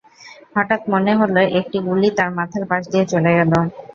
হঠাৎ মনে হলো একটি গুলি তাঁর মাথার পাশ দিয়ে চলে গেল।